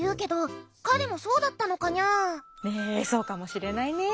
ねえそうかもしれないね。